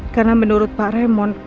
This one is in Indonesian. karena menurut pak raymond